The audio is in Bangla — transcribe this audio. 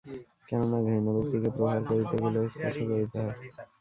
কেন না ঘৃণ্য ব্যক্তিকে প্রহার করিতে গেলেও স্পর্শ করিতে হয়।